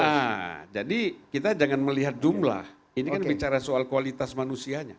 nah jadi kita jangan melihat jumlah ini kan bicara soal kualitas manusianya